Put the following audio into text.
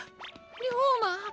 龍馬。